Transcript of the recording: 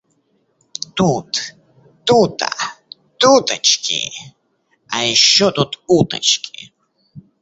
Тут, тута, туточки. А ещё тут уточки.